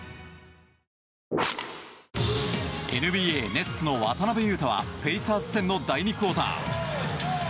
ＮＢＡ、ネッツの渡邊雄太はペイサーズ戦の第２クオーター。